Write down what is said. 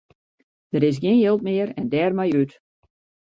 Der is gjin jild mear en dêrmei út.